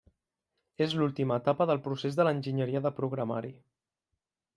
És l'última etapa del procés de l'enginyeria de programari.